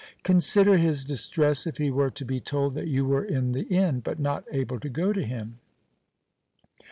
Consider his distress if he were to be told that you were in the inn, but not able to go to him."